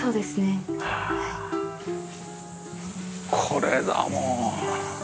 これだもん。